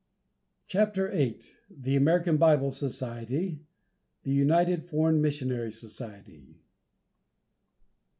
CHAPTER VIII. THE AMERICAN BIBLE SOCIETY THE UNITED FOREIGN MISSIONARY SOCIETY.